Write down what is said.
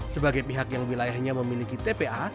sebagai pihak yang wilayahnya memiliki tpa